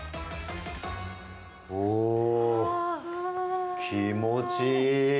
おー気持ちいい。